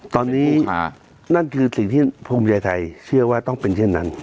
ตอนนี้นั่นคือสิ่งที่ภูมิใจไทยเชื่อว่าต้องเป็นเช่นนั้น